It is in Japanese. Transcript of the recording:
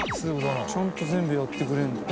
ちゃんと全部やってくれるんだ。